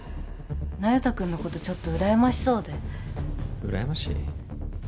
那由他君のことちょっとうらやましそうでうらやましい？